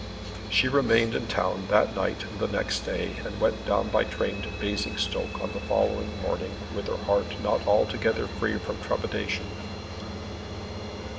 She remained in town that night and the next day, and went down by train to Basingstoke on the following morning with her heart not altogether free from trepidation.